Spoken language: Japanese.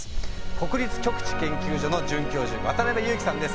国立極地研究所の准教授渡辺佑基さんです。